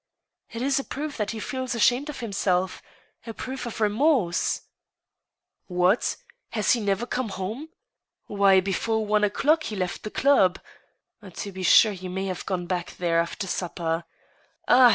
It is a proof that he feels ashamed of himself ra proof of re morse !"*' What I has he never come home ? Why, before one o'clock he left the club. .». To be sure, he may have gone back there after supper. Ah